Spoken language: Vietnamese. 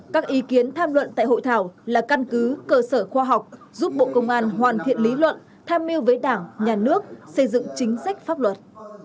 các ý kiến tham luận tại hội thảo là căn cứ cơ sở khoa học giúp bộ công an hoàn thiện lý luận tham mưu với đảng nhà nước xây dựng chính sách pháp luật